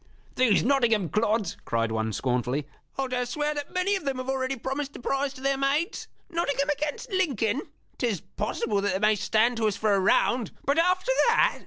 "These Nottingham clods!" cried one, scornfully; "I'll dare swear that many of them have already promised the prize to their maids! Nottingham 'gainst Lincoln 'tis possible that they may stand to us for a round. But after that!"